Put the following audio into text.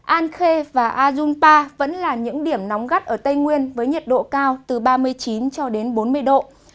an khê và a dung pa vẫn là những điểm nóng gắt ở tây nguyên với nhiệt độ cao từ ba mươi chín cho đến bốn mươi độ